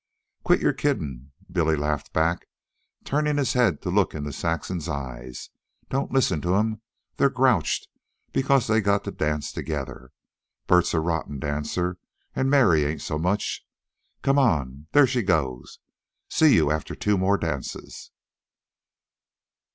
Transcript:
"Quit your kiddin'," Billy laughed back, turning his head to look into Saxon's eyes. "Don't listen to 'em. They're grouched because they got to dance together. Bert's a rotten dancer, and Mary ain't so much. Come on, there she goes. See you after two more dances."